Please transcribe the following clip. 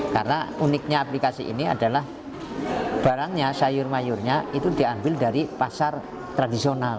karena uniknya aplikasi ini adalah barangnya sayur mayurnya itu diambil dari pasar tradisional